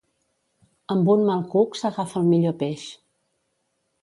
Amb un mal cuc s'agafa el millor peix.